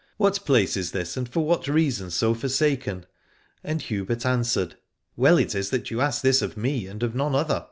What place is this, and for what reason so forsaken ? And Hubert answered. Well is it that you ask this of me and of none other.